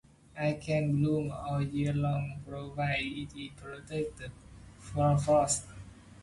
It can bloom all year long provided it is protected from frost.